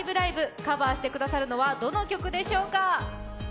カバーしてくださるのはどの曲でしょうか。